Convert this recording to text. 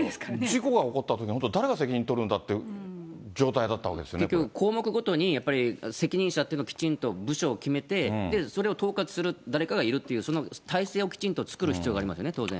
事故が起こったときに、誰が責任取るんだという状態だったわ結局、項目ごとにやっぱり責任者っていうのをきちんと部署を決めて、それを統括する誰かがいるっていう、その体制をきちんと作る必要がありますよね、当然。